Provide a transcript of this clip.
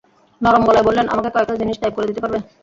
নরম গলায় বললেন, আমাকে কয়েকটা জিনিস টাইপ করে দিতে পারবে?